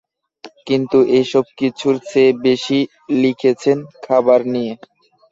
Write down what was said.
কিন্তু এসবকিছুর চেয়ে বেশি লিখেছেন খাবার নিয়ে।